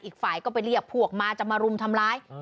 อีกฝ่ายก็ไปเรียกพวกมาจะมารุมทำร้าย